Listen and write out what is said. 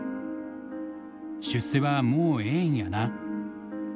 「出世はもうええんやな」。